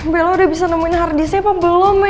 bella udah bisa nemuin harddisknya apa belum ya